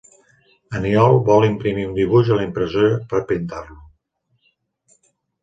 Aniol vol imprimir un dibuix a la impressora per a pintar-lo.